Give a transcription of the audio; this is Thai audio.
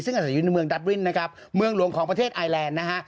ซึ่งอาศัยอยู่ในเมืองดับรินนะครับเมืองหลวงของประเทศไอแลนด์นะฮะ